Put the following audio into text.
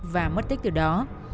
và mất tích từ đó